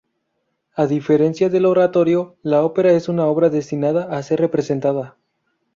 A diferencia del oratorio, la ópera es una obra destinada a ser representada.